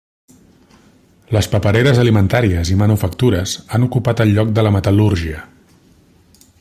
Les papereres alimentàries i manufactures han ocupat el lloc de la metal·lúrgia.